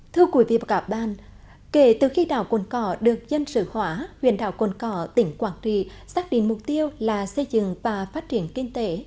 thưa quý vị và các bạn kể từ khi đảo cồn cỏ được dân sự hỏa huyền đảo cồn cỏ tỉnh quảng trì xác định mục tiêu là xây dựng và phát triển kinh tế